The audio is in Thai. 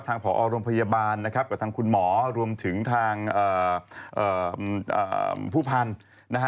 ทางผอโรงพยาบาลกับทางคุณหมอรวมถึงทางผู้พันธุ์